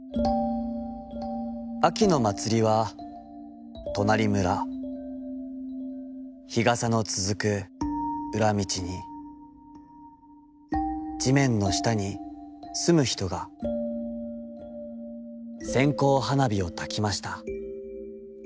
秋のまつりはとなり村、日傘のつづく裏みちに、地面のしたに棲むひとが、線香花火をたきました。